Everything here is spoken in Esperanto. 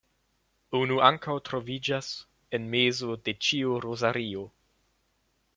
Unu ankaŭ troviĝas en mezo de ĉiu rozario.